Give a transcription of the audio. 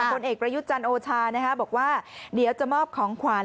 คนเอกประยุจันโอชานะฮะบอกว่าเดี๋ยวจะมอบของขวัญ